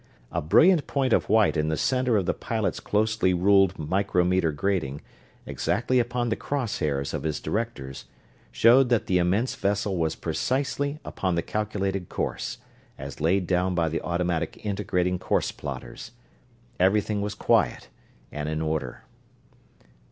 A brilliant point of white in the center of the pilot's closely ruled micrometer grating, exactly upon the cross hairs of his directors, showed that the immense vessel was precisely upon the calculated course, as laid down by the automatic integrating course plotters. Everything was quiet and in order.